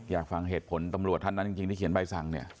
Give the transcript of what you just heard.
อยากฟังเหตุผลตำรวจท่านนั้นจริงที่เขียนใบสั่งเนี่ย